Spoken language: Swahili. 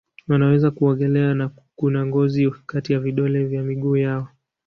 Wanaweza kuogelea na kuna ngozi kati ya vidole vya miguu yao.